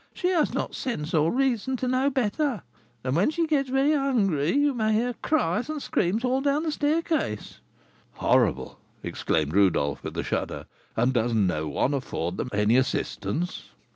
she has not sense or reason to know better, and when she gets very hungry you may hear cries and screams all down the staircase." "Horrible!" exclaimed Rodolph, with a shudder; "and does no one afford them any assistance?"